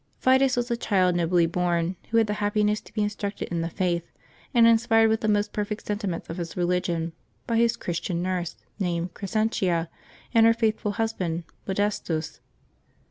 VITUS was a child nobly born, who had the happiness to be instructed in the Faith, and inspired with the most perfect sentiments of his religion, by his Christian nurse, named Crescentia, and her faithful husband, Modes tus.